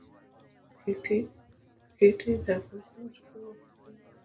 ښتې د افغانستان د جغرافیایي موقیعت پایله ده.